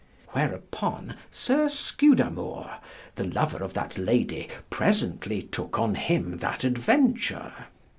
Whereupon Sir Scudamour, the lover of that lady, presently tooke on him that adventure.